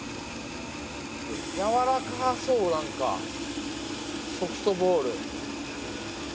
軟らかそう何かソフトボール。